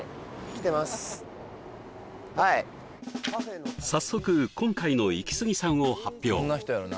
はい早速今回のイキスギさんを発表